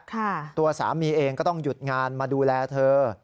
ตัวสามีเองก็ต้องหยุดงานมาดูแลเธอ